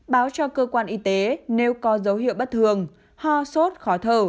báo cho cơ quan y tế nếu có dấu hiệu bất thường ho sốt khó thở